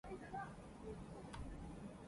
明日外へ行く。